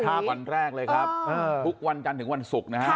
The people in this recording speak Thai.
วันแรกเลยครับทุกวันจันทร์ถึงวันศุกร์นะฮะ